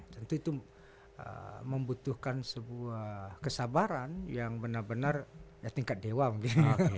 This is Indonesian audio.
tentu itu membutuhkan sebuah kesabaran yang benar benar ya tingkat dewa mungkin